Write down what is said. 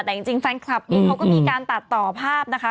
แต่จริงแฟนคลับมีการตัดต่อภาพนะคะ